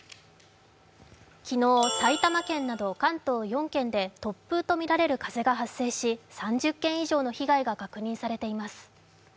昨日、埼玉県など関東４県で突風とみられる風が発生し３０件以上の被害が確認されています。